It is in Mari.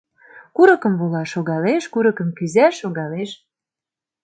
Курыкым вола - шогалеш, курыкым кӱза - шогалеш